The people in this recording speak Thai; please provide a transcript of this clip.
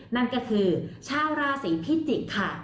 นั่นก็คือชาวราศีพิจิกษ์ค่ะ